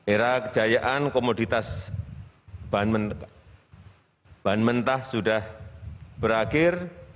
era kejayaan komoditas bahan mentah sudah berakhir